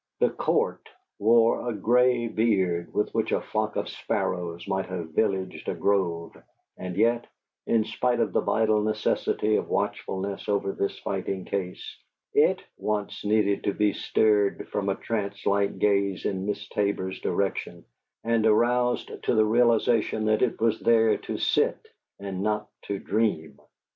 The "Court" wore a gray beard with which a flock of sparrows might have villaged a grove, and yet, in spite of the vital necessity for watchfulness over this fighting case, IT once needed to be stirred from a trancelike gaze in Miss Tabor's direction and aroused to the realization that It was there to Sit and not to dream.